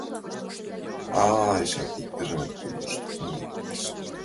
Ала эше иктаж курныж толын лектеш.